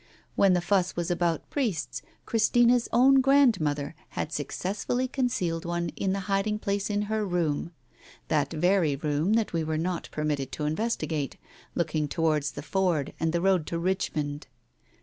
When the fuss was about priests, Christina's own grand mother had successfully concealed one in the hiding place in her room — that very room that we were not per mitted to investigate, looking towards the ford and the road to Richmond.